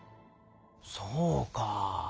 そうか。